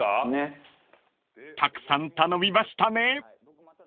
［たくさん頼みましたね］